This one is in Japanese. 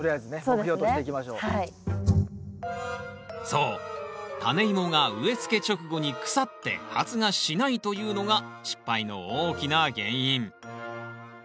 そうタネイモが植えつけ直後に腐って発芽しないというのが失敗の大きな原因。